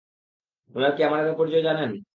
উনারা কি আমাদের পরিচয় জানেন?